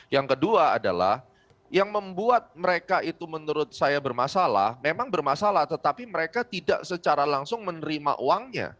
yang kedua adalah yang membuat mereka itu menurut saya bermasalah memang bermasalah tetapi mereka tidak secara langsung menerima uangnya